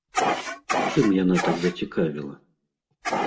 Чым яна так зацікавіла?